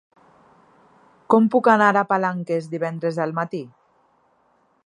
Com puc anar a Palanques divendres al matí?